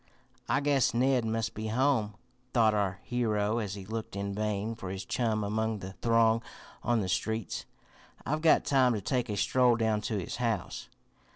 "I guess Ned must be home," thought our hero as he looked in vain for his chum among the throng on the streets. "I've got time to take a stroll down to his house."